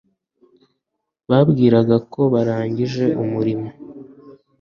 bibwiraga ko barangije umurimo